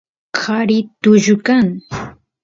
qari tullu kan